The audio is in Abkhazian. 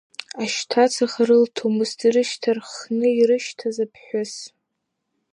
Ашьҭаҵаха рылҭомызт ирышьҭарххны ирышьҭаз аԥҳәыс.